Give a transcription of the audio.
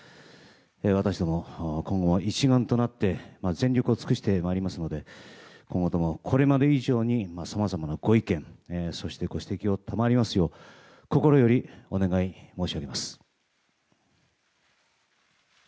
私ども、今後、一丸となって全力を尽くしてまいりますので今後とも、これまで以上にさまざまなご意見そしてご指摘を賜りますよう心よりお願い申し上げます。